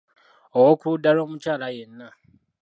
Ow’okuludda lw’omukyala yenna.